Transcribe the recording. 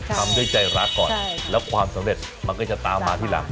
ทำด้วยใจรักก่อนแล้วความสำเร็จมันก็จะตามมาที่หลัง